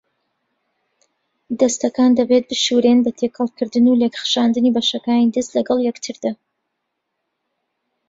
دەستەکان دەبێت بشورێن بە تێکەڵکردن و لێکخشاندنی بەشەکانی دەست لەگەڵ یەکتردا.